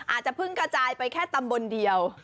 อาจจะเพิ่งกระจายไปแค่ตำบลเดียว